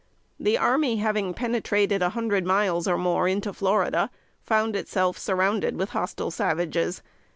The army having penetrated a hundred miles or more into Florida, found itself surrounded with hostile savages.